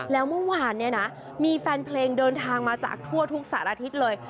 แล้วเมื่อวานเนี่ยนะมีแฟนเพลงเดินทางมาจากทั่วทุกสารทิศเลย